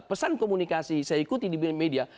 pesan komunikasi saya ikuti di media